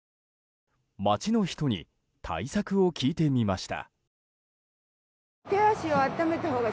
街の人に対策を聞いてみました。